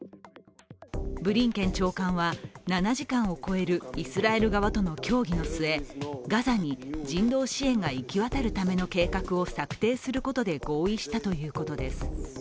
ブリンケン長官は７時間を超えるイスラエル側との協議の末、ガザに人道支援が行き渡るための計画を策定することで合意したということです。